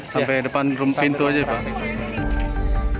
sampai depan pintu aja pak